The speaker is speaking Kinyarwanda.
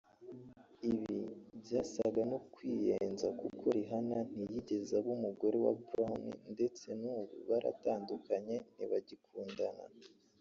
Ibi byasaga no kwiyenza kuko Rihanna ntiyigeze aba umugore wa Brown ndetse n’ubu baratandukanye ntibagikundana